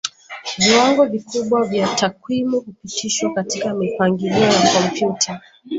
Viwango vikubwa vya takwimu hupitishwa katika mipangilio ya kompyuta